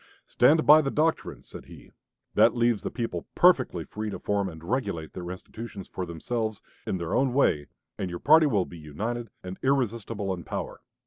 "Stand by the doctrine," said he, "that leaves the people perfectly free to form and regulate their institutions for themselves, in their own way, and your party will be united and irresistible in power.